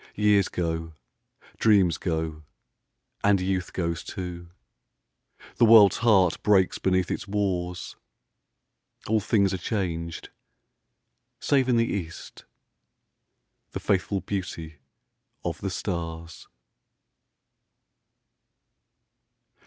Years go, dreams go, and youth goes too, The world's heart breaks beneath its wars, All things are changed, save in the east The faithful beauty of the stars.